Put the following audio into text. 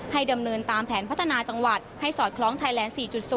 ดำเนินตามแผนพัฒนาจังหวัดให้สอดคล้องไทยแลนด์๔๐